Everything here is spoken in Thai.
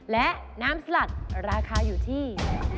และน้ำสลัดราคาอยู่ที่